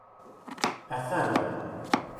Atan.